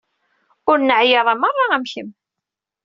Ur neɛya ara merra am kemm.